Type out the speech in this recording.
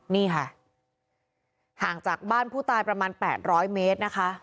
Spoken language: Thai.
นี่ค่ะห่างจากบ้านผู้ตายประมาณ๘๐๐เมตรนะคะ